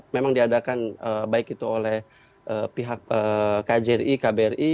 memang diadakan baik itu oleh pihak kjri kbri